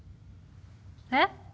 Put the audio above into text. えっ？